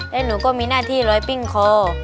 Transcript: และหนูก็มีหน้าที่ลอยปิ้งคอ